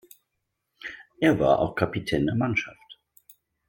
Er war auch Kapitän der Mannschaft.